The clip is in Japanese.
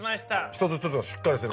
一つ一つがしっかりしてる感じ。